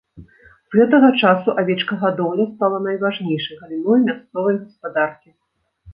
З гэтага часу авечкагадоўля стала найважнейшай галіной мясцовай гаспадаркі.